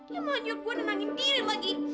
dia mau nyurut gue ngenangin diri lagi